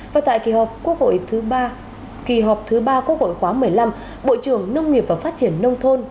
và tại kỳ họp quốc hội thứ ba kỳ họp thứ ba quốc hội khóa một mươi năm bộ trưởng nông nghiệp và phát triển nông thôn